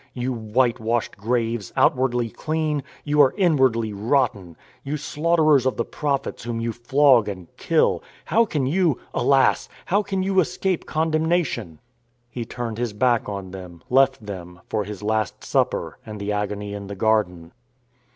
You white washed graves, outwardly clean, you are inwardly rotten. You slaughterers of the prophets whom you flog and kill ; how can you — alas ! how can you escape condemnation ?" He turned His back on them— left them, for His Last Supper and the agony in the Garden.